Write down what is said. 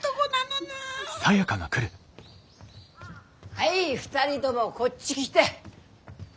はい２人ともこっち来て。